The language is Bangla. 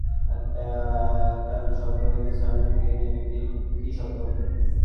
গাড়ির তলায় জাতী-পেষার মতো একটা একটানা শব্দ হইতেছে-সামনের দিকে ইঞ্জিনের কী শব্দটা!